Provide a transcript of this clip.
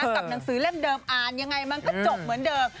กับหนังสือเล่มเดิมอ่านยังไงมันก็จบเหมือนเดิม